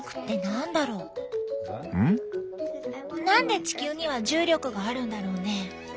何で地球には重力があるんだろうね？